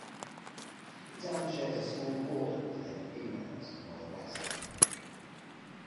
The town shares a small border with Lake Biwa to the northwest.